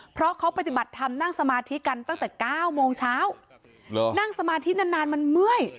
เพราะเขาปฏิบัติธรรมนั่งสมาธิกันตั้งแต่๙โมงเช้านั่งสมาธินานนานมันเมื่อย